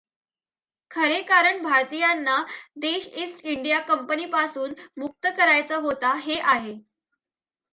खरे कारण भारतीयांना देश ईस्ट इंडिया कंपनीपासून मुक्त करायचा होता, हे आहे.